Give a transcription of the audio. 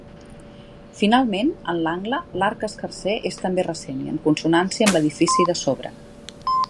Finalment, en l'angle, l'arc escarser és també recent i en consonància amb l'edifici de sobre.